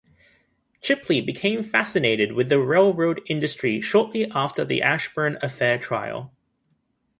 Chipley became fascinated with the railroad industry shortly after the Ashburn affair trial.